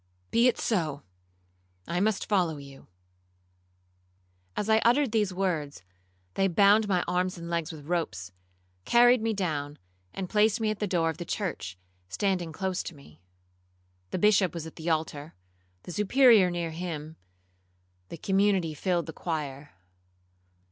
Be it so, I must follow you.' As I uttered these words, they bound my arms and legs with ropes, carried me down, and placed me at the door of the church, standing close to me. The Bishop was at the altar, the Superior near him; the community filled the choir.